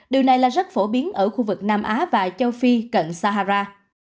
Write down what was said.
điều này là rất phổ biến ở khu vực nam á và châu phi cận sahara